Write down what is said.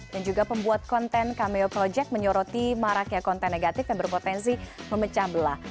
dan juga pembuat konten cameo project menyoroti maraknya konten negatif yang berpotensi memecah belah